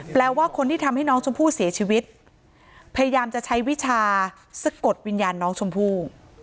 แปลว่าคนที่ทำให้น้องชมพู่เสียชีวิตพยายามจะใช้วิชาสะกดวิญญาณน้องชมพู่